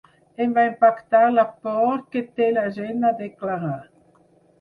Em va impactar la por que té la gent a declarar.